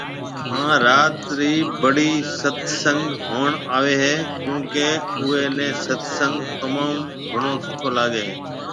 هان رات بڙي ست سنگ ۿڻڻ آوي هي ڪيونڪي اوئون ني ست سنگ تموم گھڻو سٺو لاگي هي